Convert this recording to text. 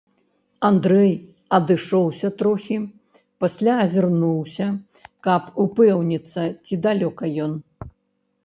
Андрэй адышоўся трохі, пасля азірнуўся, каб упэўніцца, ці далёка ён.